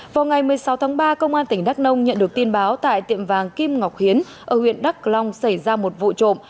vào ngày một mươi sáu tháng ba công an tỉnh đắk nông nhận được tin báo tại tiệm vàng kim ngọc hiến ở huyện đắk long xảy ra một vụ trộm